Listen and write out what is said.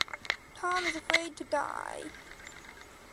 Tom is afraid to die.